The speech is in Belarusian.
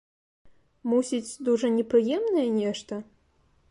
Мусіць, дужа непрыемнае нешта?